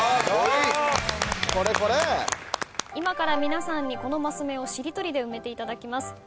今から皆さんにこのマス目をしりとりで埋めていただきます。